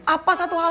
apa satu hal lagi